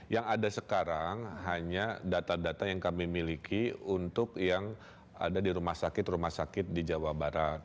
yang ada sekarang hanya data data yang kami miliki untuk yang ada di rumah sakit rumah sakit di jawa barat